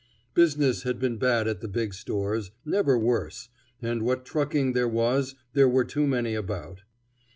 Business had been bad at the big stores, never worse, and what trucking there was there were too many about.